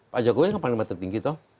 pak jokowi kan panglima tertinggi tuh